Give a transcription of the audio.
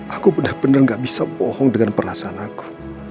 aku benar benar gak bisa bohong dengan perasaan aku